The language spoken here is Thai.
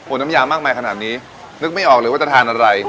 น้ำยามากมายขนาดนี้นึกไม่ออกเลยว่าจะทานอะไร